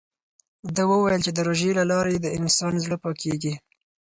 ده وویل چې د روژې له لارې د انسان زړه پاکېږي.